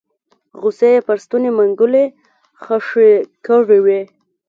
غصې يې پر ستوني منګولې خښې کړې وې